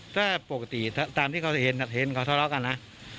ถ้าปกติตามที่เค้าจะเห็นจะเห็นเค้าทะเลาะกันนะ